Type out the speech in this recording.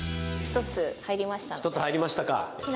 １つ入りましたので。